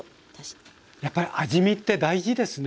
やっぱり味見って大事ですね。